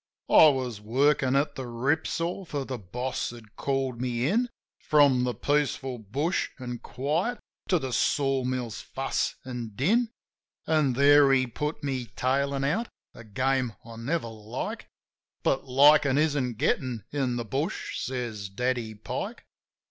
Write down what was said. I was workin' at the rip saw ; for the boss had called me in, From the peaceful bush an' quiet to the sawmill's fuss an' din ; An' there he put me tailin' out — a game I never like ; But, "Likin' isn't gettin' in the bush," says Daddy Pike.